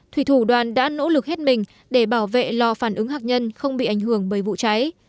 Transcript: thủy thủ đoàn đã nỗ lực hết mình để bảo vệ lò phản ứng hạt nhân không bị ảnh hưởng bởi vụ cháy